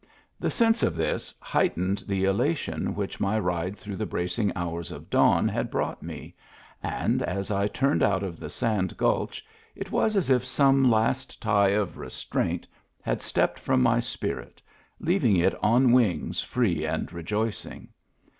The sense of this heightened the elation which my ride through the bracing hours of dawn had brought me, and as I turned out of the Sand Gulch it was as if some last tie of restraint had stepped from my spirit, leaving it on wings free and rejoicing.